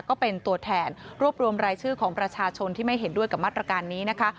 ก็เป็นตัวแทนรวบรวมรายชื่อของประชาชนที่ไม่เห็นด้วยกับมาตรการนี้นะคะ